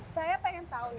saya pengen tahu nih